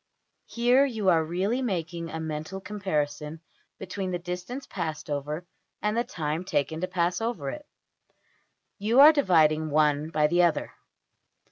Here you are really making a mental comparison between \DPPageSep{067.png}% the distance passed over and the time taken to pass over it. You are dividing one by the other.